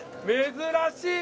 珍しい！